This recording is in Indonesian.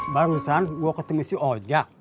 barusan gue ketemu si ojak